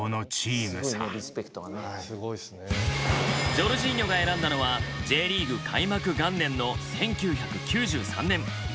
ジョルジーニョが選んだのはＪリーグ開幕元年の１９９３年。